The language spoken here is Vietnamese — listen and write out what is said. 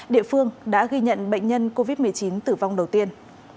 địa phương đã ghi nhận bệnh nhân covid một mươi chín tử vong đầu tiên